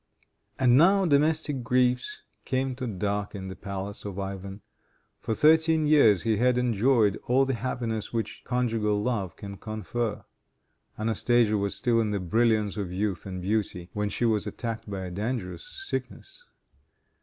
And now domestic griefs came to darken the palace of Ivan. For thirteen years he had enjoyed all the happiness which conjugal love can confer. Anastasia was still in the brilliance of youth and beauty, when she was attacked by dangerous sickness.